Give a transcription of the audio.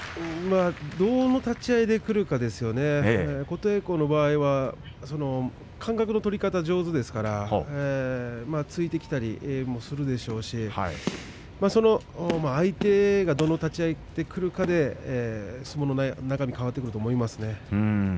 どういう立ち合いでくるかですね、琴恵光の場合は間隔の取り方が上手ですから突いてきたりもするでしょうし相手がどの立ち合いでくるかで相撲の中身は変わってくると思いますね。